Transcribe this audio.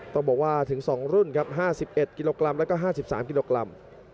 ต้องบอกว่าถึง๒รุ่นครับ๕๑กิโลกรัมแล้วก็๕๓กิโลกรัม